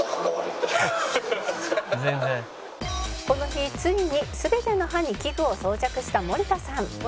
「この日ついに全ての歯に器具を装着した森田さん」